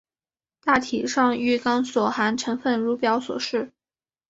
大体上玉钢所含成分如表所示。